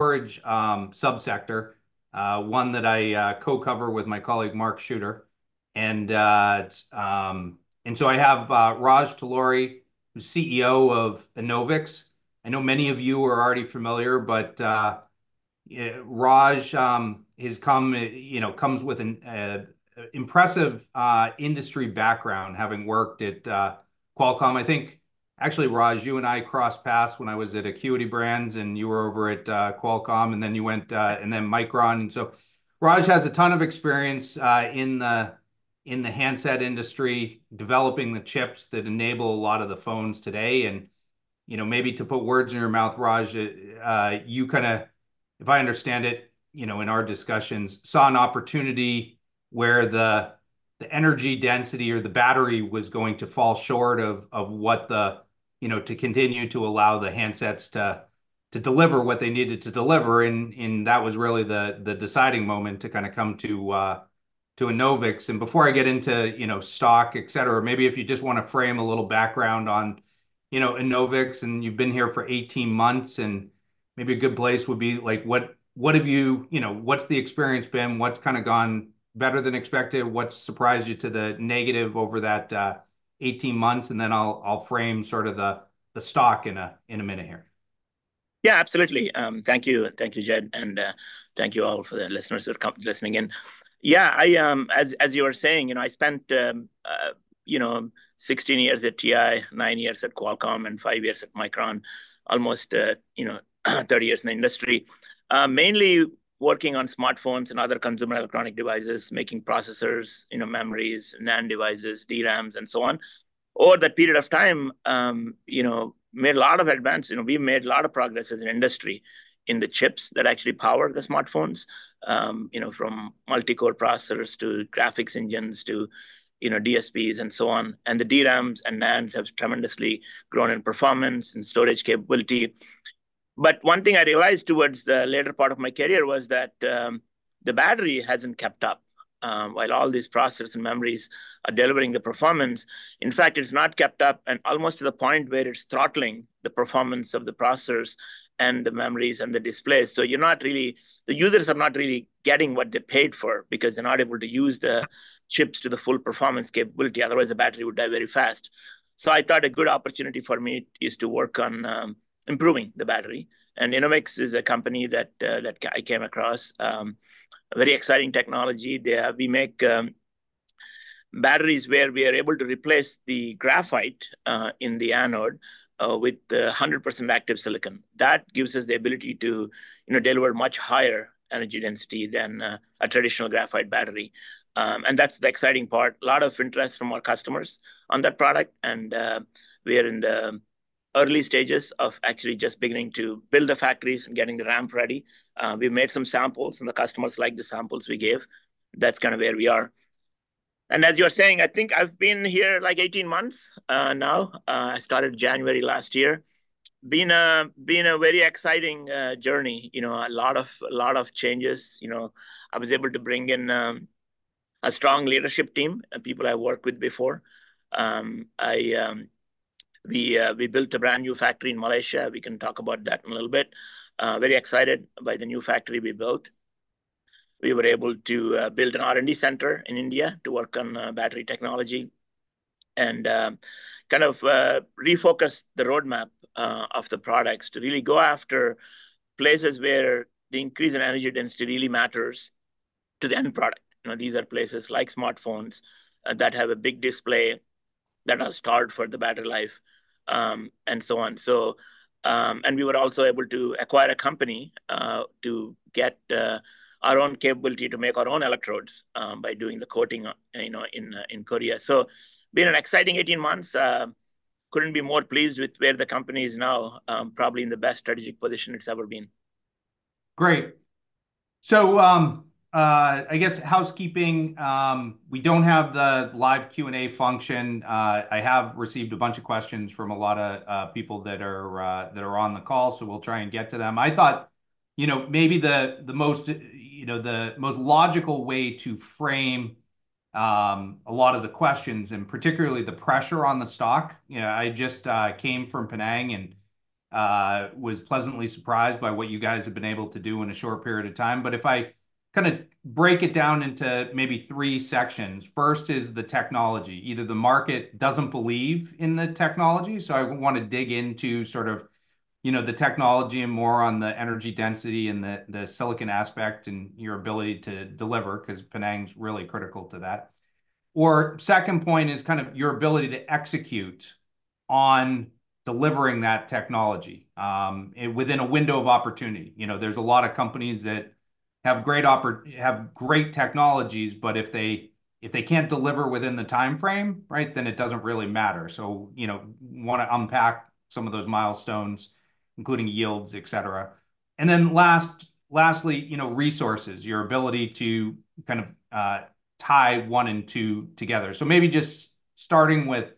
storage sub-sector, one that I co-cover with my colleague, Mark Schuter. So I have Raj Talluri, who's CEO of Enovix. I know many of you are already familiar, but yeah, Raj comes, you know, with an impressive industry background, having worked at Qualcomm. I think, actually, Raj, you and I crossed paths when I was at Acuity Brands, and you were over at Qualcomm, and then you went to Micron. So Raj has a ton of experience in the handset industry, developing the chips that enable a lot of the phones today. And, you know, maybe to put words in your mouth, Raj, you kind of, if I understand it, you know, in our discussions, saw an opportunity where the energy density or the battery was going to fall short of what the - you know, to continue to allow the handsets to deliver what they needed to deliver. And that was really the deciding moment to kind of come to Enovix. And before I get into, you know, stock, et cetera, maybe if you just want to frame a little background on, you know, Enovix, and you've been here for eighteen months, and maybe a good place would be, like, what have you... You know, what's the experience been? What's kind of gone better than expected? What's surprised you to the negative over that eighteen months? And then I'll frame sort of the stock in a minute here. Yeah, absolutely. Thank you, and thank you, Jed, and thank you all for the listeners who are come listening in. Yeah, I, as you were saying, you know, I spent, you know, sixteen years at TI, nine years at Qualcomm, and five years at Micron. Almost, you know, thirty years in the industry, mainly working on smartphones and other consumer electronic devices, making processors, you know, memories, NAND devices, DRAMs, and so on. Over that period of time, you know, made a lot of advance- you know, we made a lot of progress as an industry in the chips that actually power the smartphones. You know, from multi-core processors to graphics engines to, you know, DSPs and so on. And the DRAMs and NANDs have tremendously grown in performance and storage capability. But one thing I realized towards the later part of my career was that, the battery hasn't kept up, while all these processors and memories are delivering the performance. In fact, it's not kept up, and almost to the point where it's throttling the performance of the processors and the memories and the displays. So the users are not really getting what they paid for because they're not able to use the chips to the full performance capability, otherwise the battery would die very fast. So I thought a good opportunity for me is to work on improving the battery. And Enovix is a company that I came across. Very exciting technology. They, we make batteries where we are able to replace the graphite in the anode with 100% active silicon. That gives us the ability to, you know, deliver much higher energy density than a traditional graphite battery. And that's the exciting part. A lot of interest from our customers on that product, and we are in the early stages of actually just beginning to build the factories and getting the ramp ready. We've made some samples, and the customers like the samples we gave. That's kind of where we are. And as you're saying, I think I've been here, like, eighteen months now. I started January last year. Been a very exciting journey. You know, a lot of changes. You know, I was able to bring in a strong leadership team and people I worked with before. We built a brand-new factory in Malaysia. We can talk about that in a little bit. Very excited by the new factory we built. We were able to build an R&D center in India to work on battery technology and kind of refocus the roadmap of the products to really go after places where the increase in energy density really matters to the end product. You know, these are places like smartphones that have a big display, that are starved for the battery life, and so on. So, and we were also able to acquire a company to get our own capability to make our own electrodes by doing the coating, you know, in Korea. So been an exciting eighteen months. Couldn't be more pleased with where the company is now. Probably in the best strategic position it's ever been. Great. So, I guess housekeeping, we don't have the live Q&A function. I have received a bunch of questions from a lot of people that are on the call, so we'll try and get to them. I thought, you know, maybe the most logical way to frame a lot of the questions, and particularly the pressure on the stock. You know, I just came from Penang and was pleasantly surprised by what you guys have been able to do in a short period of time. But if I kind of break it down into maybe three sections, first is the technology. Either the market doesn't believe in the technology, so I want to dig into sort of, you know, the technology and more on the energy density and the silicon aspect and your ability to deliver, because Penang's really critical to that. Or second point is kind of your ability to execute on delivering that technology, and within a window of opportunity. You know, there's a lot of companies that have great technologies, but if they can't deliver within the timeframe, right? Then it doesn't really matter. So, you know, want to unpack some of those milestones, including yields, et cetera. And then lastly, you know, resources, your ability to kind of tie one and two together. So maybe just starting with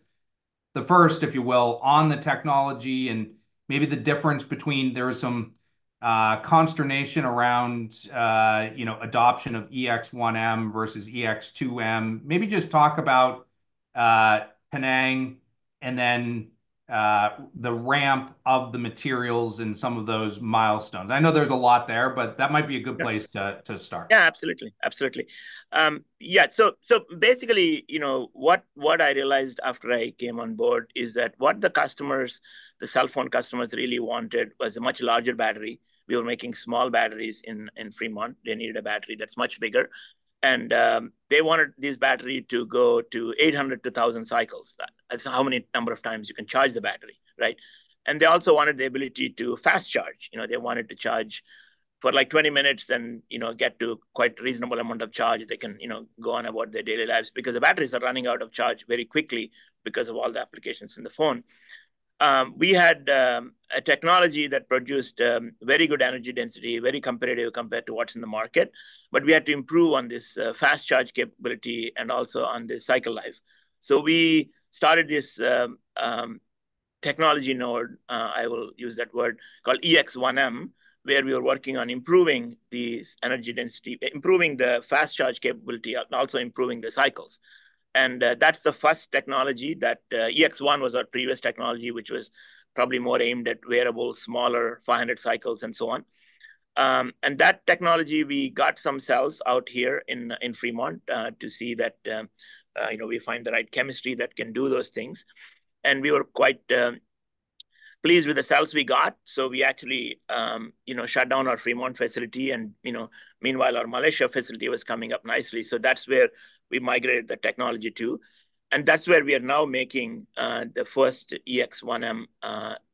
the first, if you will, on the technology and maybe the difference between. There is some consternation around, you know, adoption of EX-1M versus EX-2M. Maybe just talk about Penang, and then the ramp of the materials and some of those milestones. I know there's a lot there, but that might be a good place. Yeah to start. Yeah, absolutely. Absolutely. Yeah, so basically, you know, what I realized after I came on board is that what the customers, the cell phone customers really wanted was a much larger battery. We were making small batteries in Fremont. They needed a battery that's much bigger, and they wanted this battery to go to eight hundred to a thousand cycles. That's how many number of times you can charge the battery, right? And they also wanted the ability to fast charge. You know, they wanted to charge for, like, twenty minutes and, you know, get to quite reasonable amount of charge. They can, you know, go on about their daily lives because the batteries are running out of charge very quickly because of all the applications in the phone. We had a technology that produced very good energy density, very competitive compared to what's in the market, but we had to improve on this fast charge capability and also on the cycle life. So we started this technology node, I will use that word, called EX-1M, where we are working on improving the energy density, improving the fast charge capability, and also improving the cycles. And that's the first technology that EX-1 was our previous technology, which was probably more aimed at wearable, smaller, five hundred cycles, and so on. And that technology, we got some cells out here in Fremont to see that you know, we find the right chemistry that can do those things. And we were quite pleased with the cells we got, so we actually, you know, shut down our Fremont facility and, you know, meanwhile, our Malaysia facility was coming up nicely. So that's where we migrated the technology to, and that's where we are now making the first EX-1M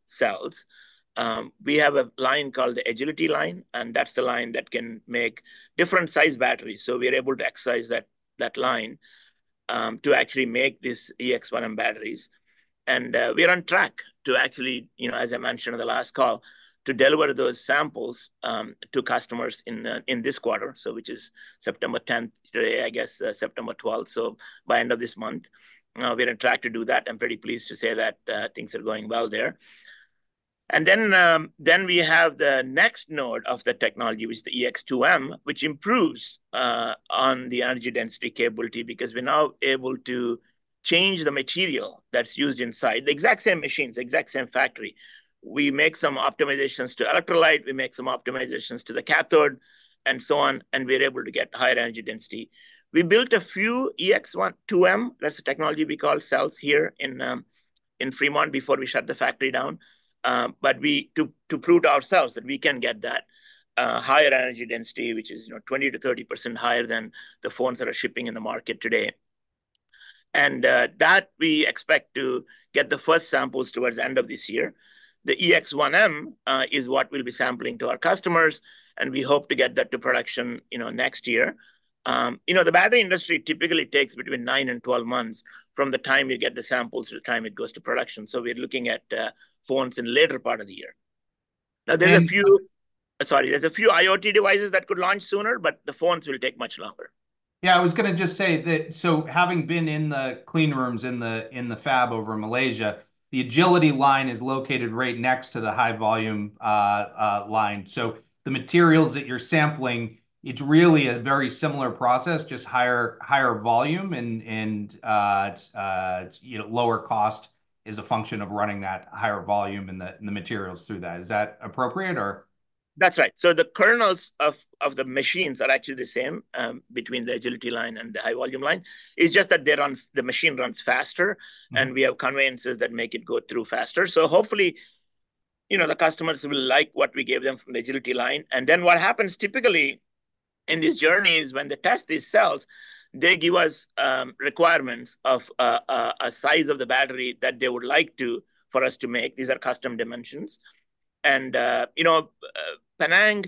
cells. We have a line called the Agility Line, and that's the line that can make different size batteries, so we are able to exercise that line to actually make these EX-1M batteries. And we are on track to actually, you know, as I mentioned on the last call, to deliver those samples to customers in this quarter, so which is September tenth, today, I guess, September twelfth. So by end of this month, we're on track to do that. I'm pretty pleased to say that things are going well there. Then we have the next node of the technology, which is the EX-2M, which improves on the energy density capability because we're now able to change the material that's used inside. The exact same machines, the exact same factory. We make some optimizations to electrolyte, we make some optimizations to the cathode, and so on, and we are able to get higher energy density. We built a few EX-1-2M, that's the technology we call cells here in Fremont, before we shut the factory down. But to prove to ourselves that we can get that higher energy density, which is, you know, 20%-30% higher than the phones that are shipping in the market today. that we expect to get the first samples towards the end of this year. The EX-1M is what we'll be sampling to our customers, and we hope to get that to production, you know, next year. You know, the battery industry typically takes between nine and 12 months from the time you get the samples to the time it goes to production, so we're looking at phones in latter part of the year. And- Now, there's a few IoT devices that could launch sooner, but the phones will take much longer. Yeah, I was gonna just say that, so having been in the clean rooms in the fab in Malaysia, the Agility Line is located right next to the high volume line. So the materials that you're sampling, it's really a very similar process, just higher volume and it's you know lower cost is a function of running that higher volume and the materials through that. Is that appropriate, or? That's right. So the kernels of the machines are actually the same between the Agility Line and the high-volume line. It's just that they run, the machine runs faster- Mm... and we have conveyances that make it go through faster. So hopefully, you know, the customers will like what we gave them from the Agility Line. And then, what happens typically in this journey is when they test these cells, they give us requirements of a size of the battery that they would like to, for us to make. These are custom dimensions. And, you know, Penang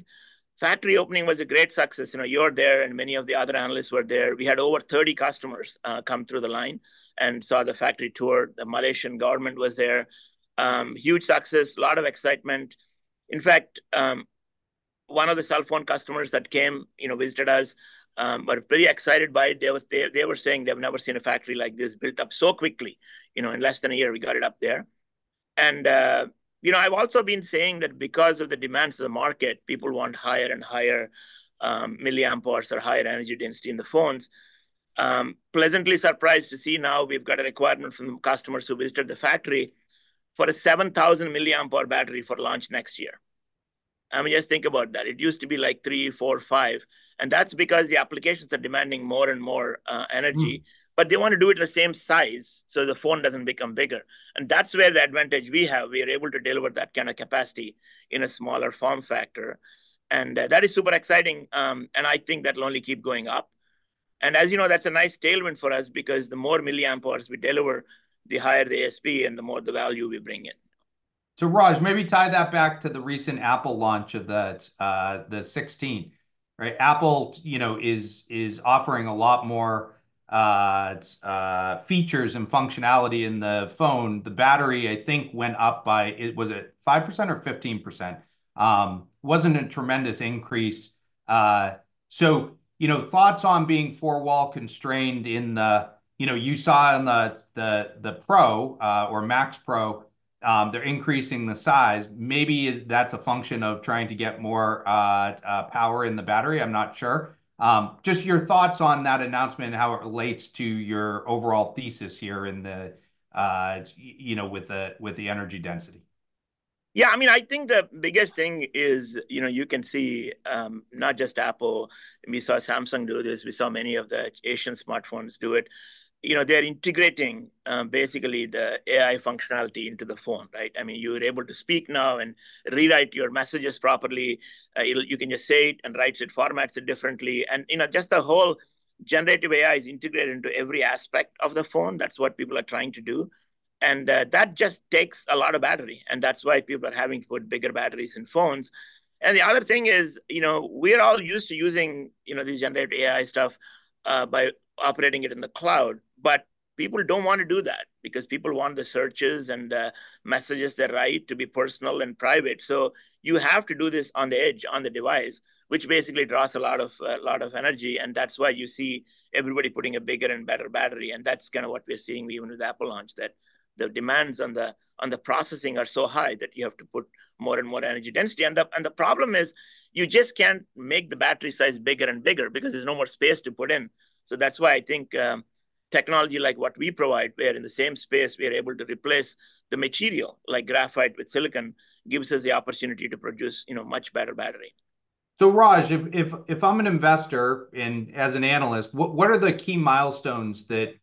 factory opening was a great success. You know, you were there, and many of the other analysts were there. We had over thirty customers come through the line and saw the factory tour. The Malaysian government was there. Huge success, a lot of excitement. In fact, one of the cell phone customers that came, you know, visited us were pretty excited by it. They were saying they've never seen a factory like this built up so quickly. You know, in less than a year, we got it up there, and you know, I've also been saying that because of the demands of the market, people want higher and higher milliamp hours or higher energy density in the phones. Pleasantly surprised to see now we've got a requirement from customers who visited the factory for a seven thousand milliamp hour battery for launch next year. I mean, just think about that. It used to be, like, three, four, five, and that's because the applications are demanding more and more energy. Mm. But they want to do it the same size, so the phone doesn't become bigger, and that's where the advantage we have. We are able to deliver that kind of capacity in a smaller form factor, and that is super exciting. And I think that'll only keep going up. And as you know, that's a nice tailwind for us because the more milliamp hours we deliver, the higher the ASP and the more the value we bring in. So, Raj, maybe tie that back to the recent Apple launch of the 16, right? Apple, you know, is offering a lot more features and functionality in the phone. The battery, I think, went up by. Was it 5% or 15%? Wasn't a tremendous increase. So, you know, thoughts on being four-wall constrained in the. You know, you saw it on the Pro or Max Pro. They're increasing the size. Maybe that's a function of trying to get more power in the battery, I'm not sure. Just your thoughts on that announcement and how it relates to your overall thesis here in the, you know, with the energy density. Yeah, I mean, I think the biggest thing is, you know, you can see, not just Apple, we saw Samsung do this, we saw many of the Asian smartphones do it. You know, they're integrating, basically the AI functionality into the phone, right? I mean, you're able to speak now and rewrite your messages properly. You can just say it, and writes it, formats it differently. And, you know, just the whole generative AI is integrated into every aspect of the phone. That's what people are trying to do. That just takes a lot of battery, and that's why people are having to put bigger batteries in phones. And the other thing is, you know, we're all used to using, you know, this generative AI stuff by operating it in the cloud, but people don't wanna do that because people want the searches and messages they write to be personal and private. So you have to do this on the edge, on the device, which basically draws a lot of lot of energy, and that's why you see everybody putting a bigger and better battery, and that's kinda what we're seeing even with the Apple launch, that the demands on the processing are so high that you have to put more and more energy density. And the problem is, you just can't make the battery size bigger and bigger because there's no more space to put in. So that's why I think, technology like what we provide, where in the same space, we are able to replace the material, like graphite with silicon, gives us the opportunity to produce, you know, much better battery. So, Raj, if I'm an investor, and as an analyst, what are the key milestones that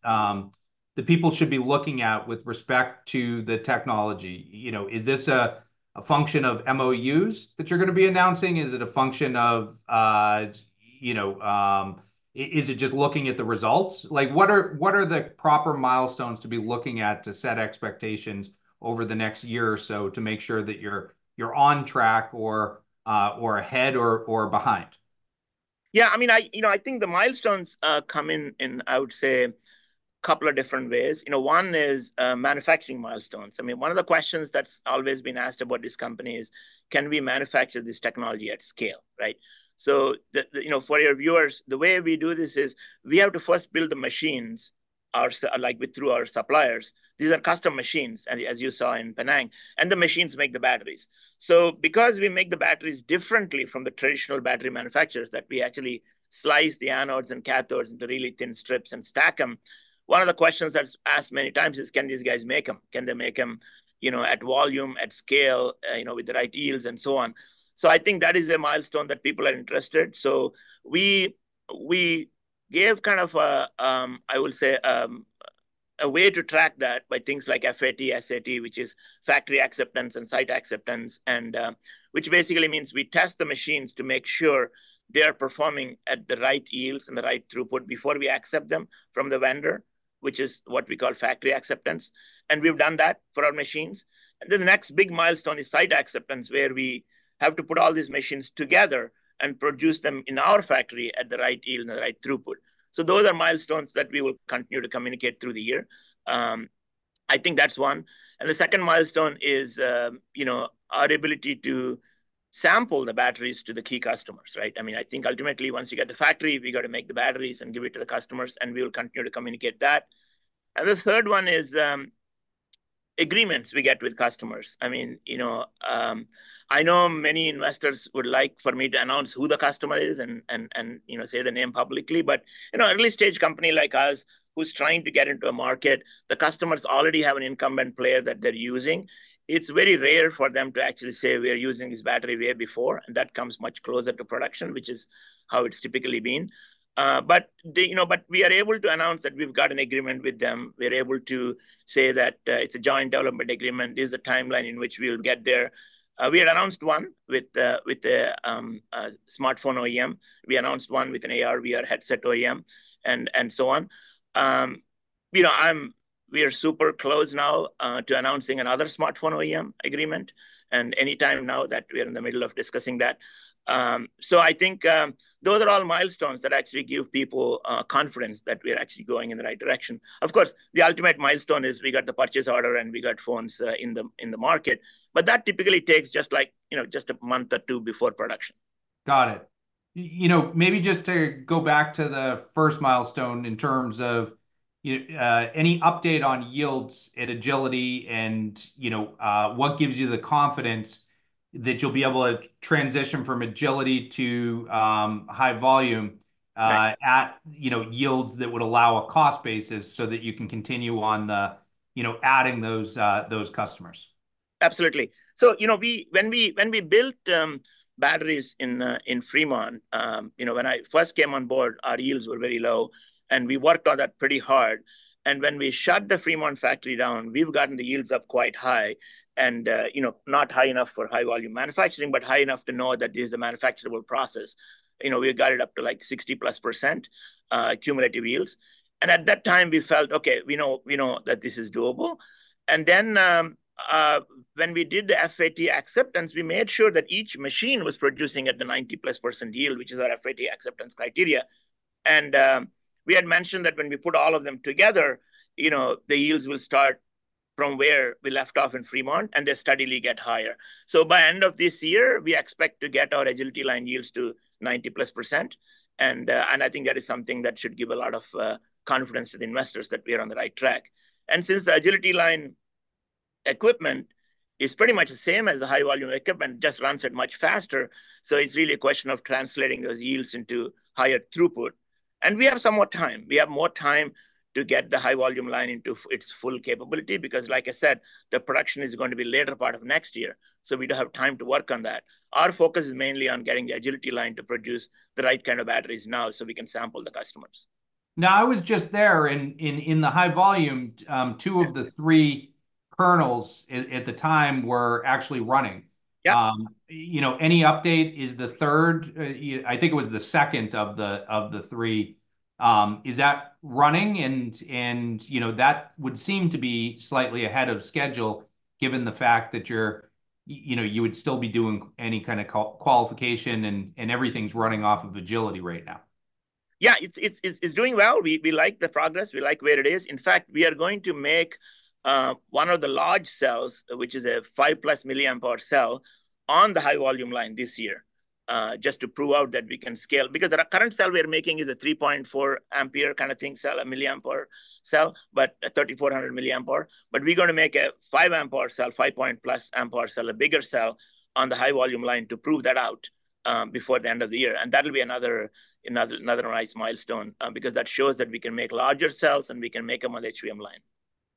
the people should be looking at with respect to the technology? You know, is this a function of MOUs that you're gonna be announcing? Is it a function of, you know, is it just looking at the results? Like, what are the proper milestones to be looking at to set expectations over the next year or so to make sure that you're on track or ahead, or behind? Yeah, I mean, I, you know, I think the milestones come in, in, I would say, couple of different ways. You know, one is manufacturing milestones. I mean, one of the questions that's always been asked about this company is, can we manufacture this technology at scale, right? So, you know, for your viewers, the way we do this is, we have to first build the machines like with through our suppliers. These are custom machines, and as you saw in Penang, and the machines make the batteries. So because we make the batteries differently from the traditional battery manufacturers, that we actually slice the anodes and cathodes into really thin strips and stack them, one of the questions that's asked many times is, "Can these guys make them? Can they make them, you know, at volume, at scale, you know, with the right yields, and so on?" So I think that is a milestone that people are interested. So we gave kind of a way to track that by things like FAT, SAT, which is factory acceptance and site acceptance, and which basically means we test the machines to make sure they are performing at the right yields and the right throughput before we accept them from the vendor, which is what we call factory acceptance, and we've done that for our machines. And then the next big milestone is site acceptance, where we have to put all these machines together and produce them in our factory at the right yield and the right throughput. So those are milestones that we will continue to communicate through the year. I think that's one. And the second milestone is, you know, our ability to sample the batteries to the key customers, right? I mean, I think ultimately, once you get the factory, we gotta make the batteries and give it to the customers, and we will continue to communicate that. And the third one is, agreements we get with customers. I mean, you know, I know many investors would like for me to announce who the customer is and, you know, say the name publicly, but, you know, early-stage company like us, who's trying to get into a market, the customers already have an incumbent player that they're using. It's very rare for them to actually say, "We are using this battery" way before, and that comes much closer to production, which is how it's typically been. But you know, but we are able to announce that we've got an agreement with them. We're able to say that it's a joint development agreement. There's a timeline in which we'll get there. We had announced one with the smartphone OEM. We announced one with an AR/VR headset OEM, and so on. You know, we are super close now to announcing another smartphone OEM agreement, and any time now that we are in the middle of discussing that. So I think those are all milestones that actually give people confidence that we are actually going in the right direction. Of course, the ultimate milestone is we got the purchase order, and we got phones in the market, but that typically takes just, like, you know, just a month or two before production. Got it. You know, maybe just to go back to the first milestone in terms of any update on yields at Agility and, you know, what gives you the confidence that you'll be able to transition from Agility to high volume? Right... at, you know, yields that would allow a cost basis so that you can continue on the, you know, adding those customers? Absolutely. So, you know, when we built batteries in Fremont, you know, when I first came on board, our yields were very low, and we worked on that pretty hard. And when we shut the Fremont factory down, we've gotten the yields up quite high, and, you know, not high enough for high-volume manufacturing, but high enough to know that this is a manufacturable process. You know, we got it up to, like, 60+% cumulative yields. And at that time, we felt, "Okay, we know, we know that this is doable." And then, when we did the FAT acceptance, we made sure that each machine was producing at the 90+% yield, which is our FAT acceptance criteria. We had mentioned that when we put all of them together, you know, the yields will start from where we left off in Fremont, and they steadily get higher. By end of this year, we expect to get our Agility Line yields to 90+%. I think that is something that should give a lot of confidence to the investors that we are on the right track. Since the Agility Line equipment is pretty much the same as the high-volume equipment, just runs it much faster. It's really a question of translating those yields into higher throughput. We have some more time. We have more time to get the high-volume line into its full capability, because, like I said, the production is going to be later part of next year, so we do have time to work on that. Our focus is mainly on getting the Agility Line to produce the right kind of batteries now so we can sample the customers. Now, I was just there, in the high volume, two of the three lines at the time were actually running. Yep. You know, any update? Is the third, I think it was the second of the three, is that running? And you know, that would seem to be slightly ahead of schedule, given the fact that you're you know, you would still be doing any kind of qualification, and everything's running off of Agility right now. Yeah, it's doing well. We like the progress. We like where it is. In fact, we are going to make one of the large cells, which is a five-plus milliamp hour cell, on the high-volume line this year, just to prove out that we can scale. Because the current cell we are making is a 3.4 ampere kind of thing, cell, a milliamp hour cell, but a 3,400 milliamp hour. But we're going to make a five amp hour cell, five-point-plus amp hour cell, a bigger cell, on the high-volume line to prove that out, before the end of the year, and that'll be another nice milestone, because that shows that we can make larger cells, and we can make them on the HVM line.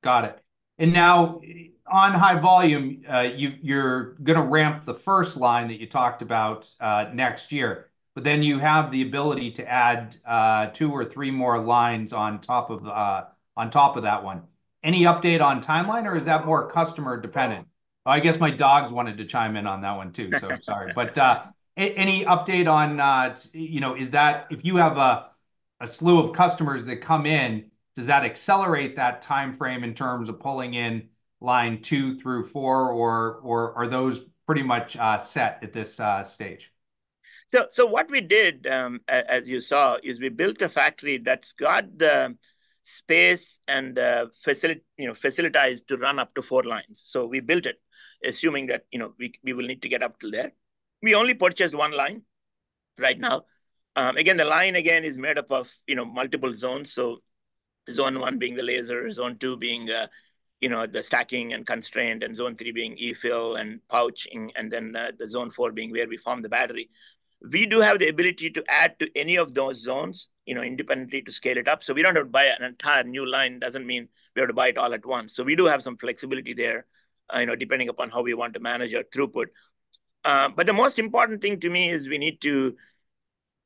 Got it. And now, on high volume, you're gonna ramp the first line that you talked about next year. But then you have the ability to add two or three more lines on top of that one. Any update on timeline, or is that more customer-dependent? Oh, I guess my dogs wanted to chime in on that one, too, so sorry. But any update on... You know, is that, if you have a slew of customers that come in, does that accelerate that timeframe in terms of pulling in line two through four, or are those pretty much set at this stage? What we did, as you saw, is we built a factory that's got the space and the facilities, you know, facilitated to run up to four lines. We built it assuming that, you know, we will need to get up to there. We only purchased one line right now. Again, the line is made up of, you know, multiple zones, so zone one being the laser, zone two being, you know, the stacking and constraint, and zone three being E-Fill and pouching, and then, the zone four being where we form the battery. We do have the ability to add to any of those zones, you know, independently to scale it up. We don't have to buy an entire new line. Doesn't mean we have to buy it all at once. So we do have some flexibility there, you know, depending upon how we want to manage our throughput. But the most important thing to me is we need to,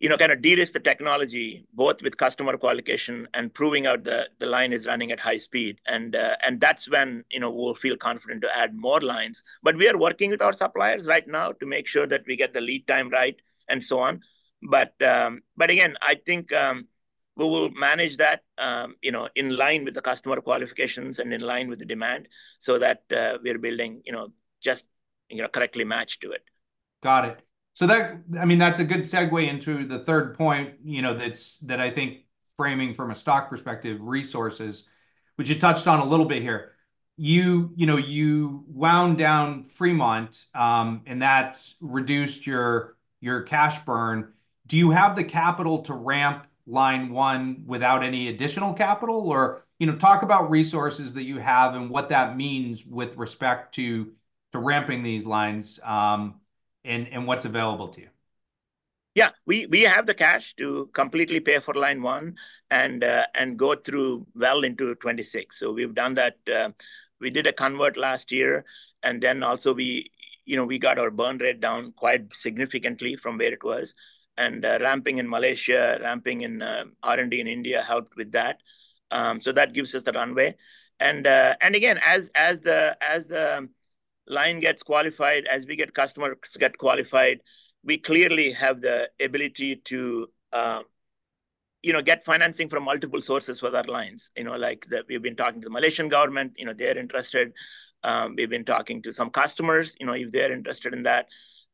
you know, kind of de-risk the technology, both with customer qualification and proving out the line is running at high speed. And that's when, you know, we'll feel confident to add more lines. But we are working with our suppliers right now to make sure that we get the lead time right, and so on. But again, I think we will manage that, you know, in line with the customer qualifications and in line with the demand so that we're building, you know, just, you know, correctly matched to it. Got it. So that, I mean, that's a good segue into the third point, you know, that I think framing from a stock perspective, resources, which you touched on a little bit here. You know, you wound down Fremont, and that's reduced your cash burn. Do you have the capital to ramp line one without any additional capital? Or, you know, talk about resources that you have and what that means with respect to ramping these lines, and what's available to you. Yeah. We have the cash to completely pay for line one and go through well into 2026, so we've done that. We did a convert last year, and then also we, you know, we got our burn rate down quite significantly from where it was. And ramping in Malaysia, ramping in R&D in India helped with that. So that gives us the runway. And again, as the line gets qualified, as we get customers get qualified, we clearly have the ability to, you know, get financing from multiple sources for that lines. You know, like we've been talking to the Malaysian government. You know, they're interested. We've been talking to some customers, you know, if they're interested in that.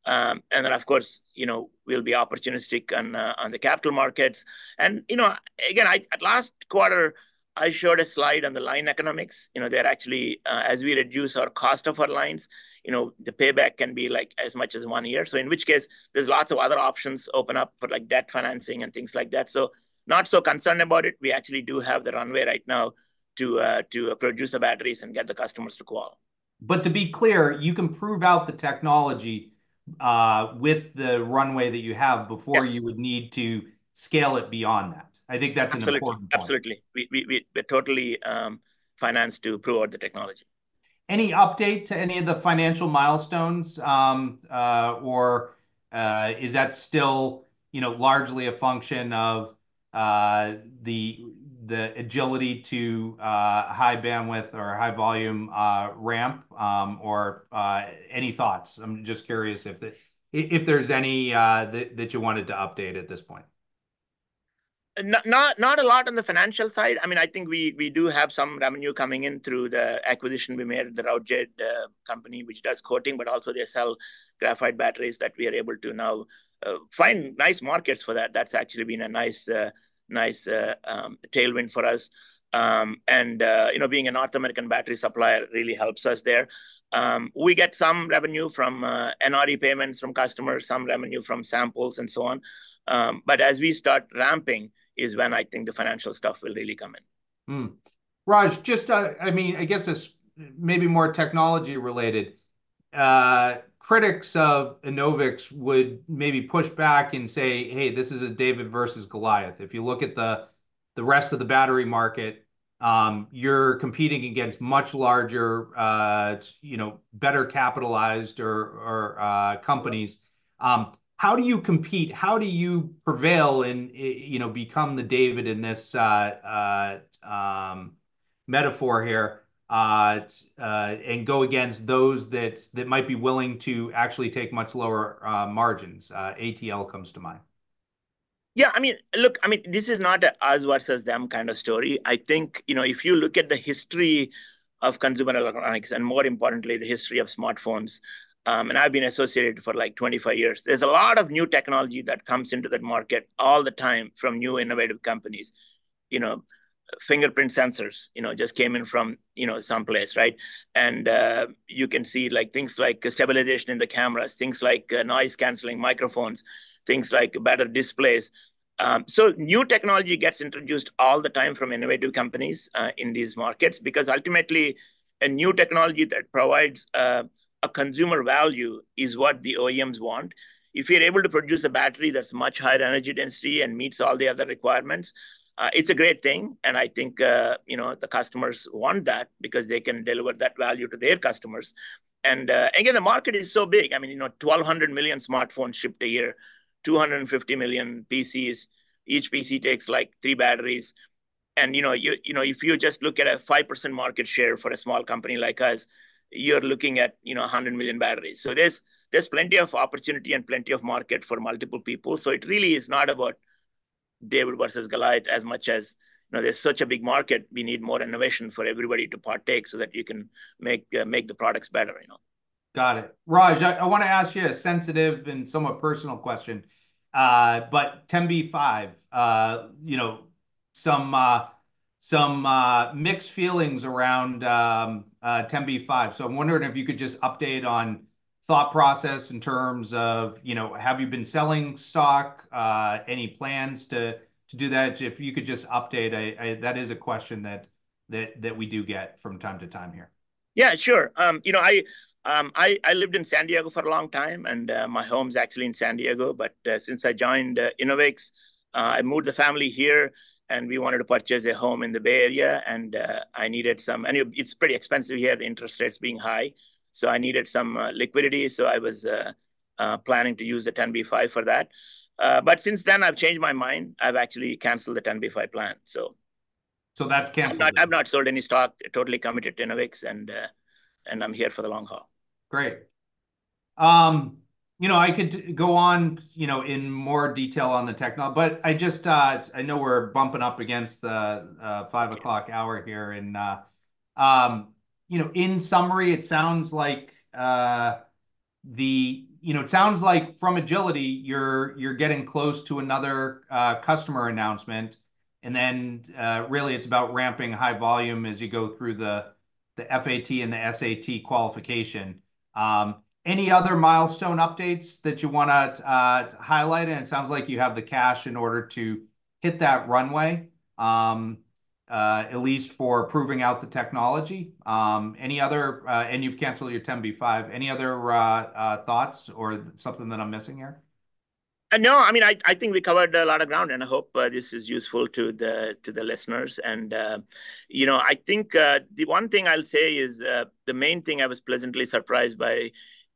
And then, of course, you know, we'll be opportunistic on the capital markets. You know, again, at last quarter, I showed a slide on the line economics. You know, they're actually, as we reduce our cost of our lines, you know, the payback can be, like, as much as one year, so in which case there's lots of other options open up for, like, debt financing and things like that. Not so concerned about it. We actually do have the runway right now to produce the batteries and get the customers to qual. But to be clear, you can prove out the technology, with the runway that you have before- Yes... you would need to scale it beyond that. I think that's an important point. Absolutely. Absolutely. We're totally financed to prove out the technology. Any update to any of the financial milestones? Or, is that still, you know, largely a function of the agility to high bandwidth or high volume ramp, or any thoughts? I'm just curious if the... if there's any that you wanted to update at this point. Not a lot on the financial side. I mean, I think we do have some revenue coming in through the acquisition we made, the Routejade company, which does coating, but also they sell graphite batteries that we are able to now find nice markets for that. That's actually been a nice tailwind for us. And, you know, being a North American battery supplier really helps us there. We get some revenue from NRE payments from customers, some revenue from samples, and so on. But as we start ramping is when I think the financial stuff will really come in. Raj, just, I guess this maybe more technology related. Critics of Enovix would maybe push back and say, "Hey, this is a David versus Goliath." If you look at the rest of the battery market, you're competing against much larger, better capitalized companies. How do you compete? How do you prevail and, you know, become the David in this metaphor here, and go against those that might be willing to actually take much lower margins? ATL comes to mind. Yeah, I mean, look, I mean, this is not a us versus them kind of story. I think, you know, if you look at the history of consumer electronics, and more importantly, the history of smartphones, and I've been associated for, like, 25 years, there's a lot of new technology that comes into that market all the time from new innovative companies. You know, fingerprint sensors, you know, just came in from, you know, someplace, right? And, you can see, like, things like stabilization in the cameras, things like, noise-canceling microphones, things like better displays, so new technology gets introduced all the time from innovative companies, in these markets, because ultimately, a new technology that provides, a consumer value is what the OEMs want. If you're able to produce a battery that's much higher energy density and meets all the other requirements, it's a great thing, and I think, you know, the customers want that because they can deliver that value to their customers. And, again, the market is so big. I mean, you know, 1,200 million smartphones shipped a year, 250 million PCs. Each PC takes, like, three batteries. And, you know, if you just look at a 5% market share for a small company like us, you're looking at, you know, 100 million batteries. So there's plenty of opportunity and plenty of market for multiple people. So it really is not about David versus Goliath as much as, you know, there's such a big market, we need more innovation for everybody to partake so that you can make the products better, you know. Got it. Raj, I wanna ask you a sensitive and somewhat personal question. But 10b5, you know, some mixed feelings around 10b5. So I'm wondering if you could just update on thought process in terms of, you know, have you been selling stock? Any plans to do that? If you could just update. That is a question that we do get from time to time here. Yeah, sure. You know, I lived in San Diego for a long time, and my home's actually in San Diego, but since I joined Enovix, I moved the family here, and we wanted to purchase a home in the Bay Area. It's pretty expensive here, the interest rates being high, so I needed some liquidity, so I was planning to use the 10b5 for that. But since then, I've changed my mind. I've actually canceled the 10b5 plan, so. That's canceled? I've not sold any stock. Totally committed to Enovix, and I'm here for the long haul. Great. You know, I could go on, you know, in more detail on the technology. But I just, I know we're bumping up against the five o'clock hour here. You know, in summary, it sounds like. You know, it sounds like from Agility, you're getting close to another customer announcement, and then, really, it's about ramping high volume as you go through the FAT and the SAT qualification. Any other milestone updates that you wanna highlight? It sounds like you have the cash in order to hit that runway, at least for proving out the technology. You've canceled your 10b5. Any other thoughts or something that I'm missing here? No. I mean, I think we covered a lot of ground, and I hope this is useful to the listeners. You know, I think the one thing I'll say is the main thing I was pleasantly surprised by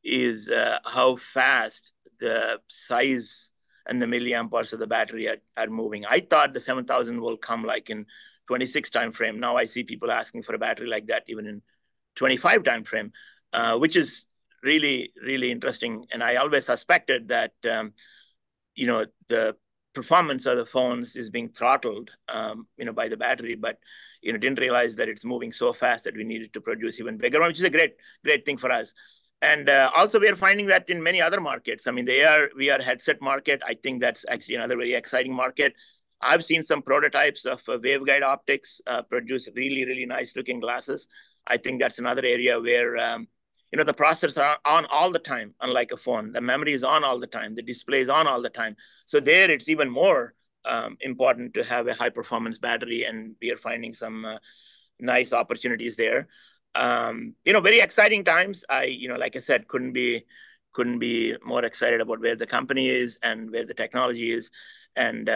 is how fast the size and the milliampere-hours of the battery are moving. I thought the 7,000 will come, like, in 2026 timeframe. Now, I see people asking for a battery like that even in 2025 timeframe, which is really, really interesting. I always suspected that, you know, the performance of the phones is being throttled, you know, by the battery, but, you know, didn't realize that it's moving so fast that we needed to produce even bigger, which is a great, great thing for us. Also we are finding that in many other markets. I mean, they are, we are a headset market. I think that's actually another really exciting market. I've seen some prototypes of waveguide optics produce really, really nice-looking glasses. I think that's another area where, you know, the processors are on all the time, unlike a phone. The memory is on all the time. The display is on all the time. So there, it's even more important to have a high-performance battery, and we are finding some nice opportunities there. You know, very exciting times. I, you know, like I said, couldn't be, couldn't be more excited about where the company is and where the technology is. And,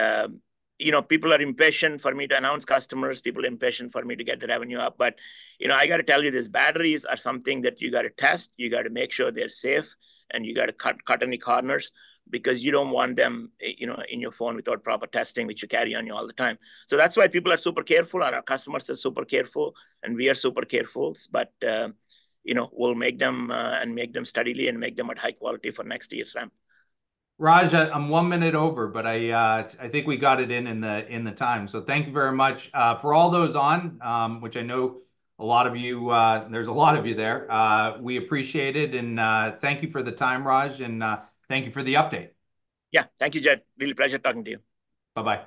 you know, people are impatient for me to announce customers, people are impatient for me to get the revenue up. But, you know, I gotta tell you this, batteries are something that you gotta test, you gotta make sure they're safe, and you gotta cut any corners because you don't want them, you know, in your phone without proper testing, which you carry on you all the time. So that's why people are super careful, and our customers are super careful, and we are super careful. But, you know, we'll make them, and make them steadily and make them at high quality for next year's ramp. Raj, I'm one minute over, but I think we got it in the time, so thank you very much. For all those on, which I know a lot of you, there's a lot of you there, we appreciate it, and thank you for the time, Raj, and thank you for the update. Yeah. Thank you, Jed. Really a pleasure talking to you. Bye-bye.